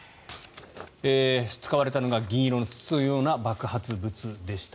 使われたのが銀色の筒のような爆発物でした。